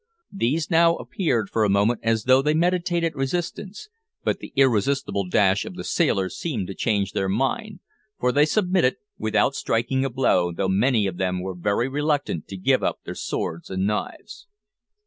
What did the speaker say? These now appeared for a moment as though they meditated resistance, but the irresistible dash of the sailors seemed to change their minds, for they submitted without striking a blow, though many of them were very reluctant to give up their swords and knives.